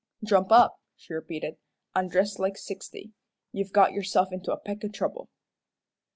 "Jump up," she repeated, "an' dress like sixty. You've got yourself into a peck o' trouble."